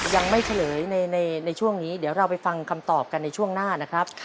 ยังไม่เฉลยในช่วงนี้เดี๋ยวเราไปฟังคำตอบกันในช่วงหน้านะครับ